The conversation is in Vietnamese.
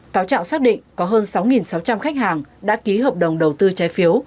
cáo trạng xác định có hơn sáu sáu trăm linh khách hàng đã ký hợp đồng đầu tư trái phiếu